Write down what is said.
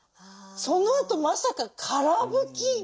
そのあとまさかから拭き。